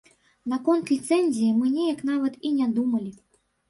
Наконт ліцэнзіі мы неяк нават і не думалі.